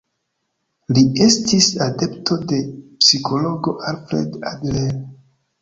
Li estis adepto de psikologo Alfred Adler.